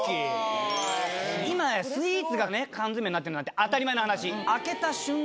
今やスイーツがね缶詰になってるなんて当たり前の話。